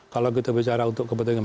kalau kita bicara untuk kepentingan